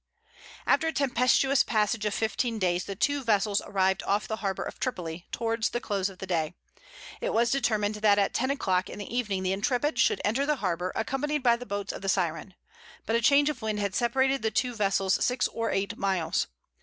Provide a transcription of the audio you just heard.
After a tempestuous passage of fifteen days, the two vessels arrived off the harbor of Tripoli, towards the close of day. It was determined that at ten o'clock in the evening the Intrepid should enter the harbor, accompanied by the boats of the Siren. But a change of wind had separated the two vessels six or eight miles.